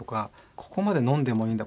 ここまで飲んでもいいんだ